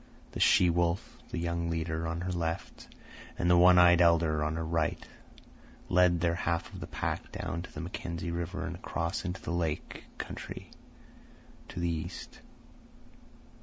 The she wolf, the young leader on her left, and the one eyed elder on her right, led their half of the pack down to the Mackenzie River and across into the lake country to the east.